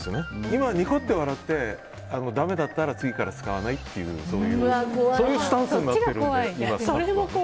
今は、ニコッと笑ってだめだったら次から使わないっていうそういうスタンスになってるので。